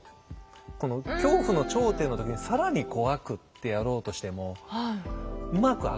この恐怖の頂点の時に更に怖くってやろうとしてもうまく上がらないんですよね。